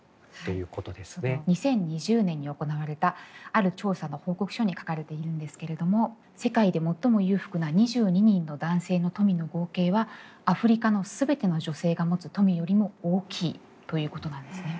２０２０年に行われたある調査の報告書に書かれているんですけれども世界で最も裕福な２２人の男性の富の合計はアフリカの全ての女性が持つ富よりも大きいということなんですね。